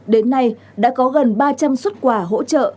đến nay đã có gần ba trăm linh xuất quà hỗ trợ